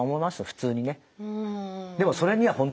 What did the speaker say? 普通にね。